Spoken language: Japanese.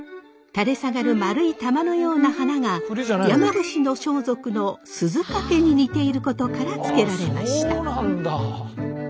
垂れ下がる丸い球のような花が山伏の装束の鈴懸に似ていることから付けられました。